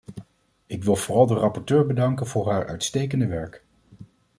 Ik wil vooral de rapporteur bedanken voor haar uitstekende werk.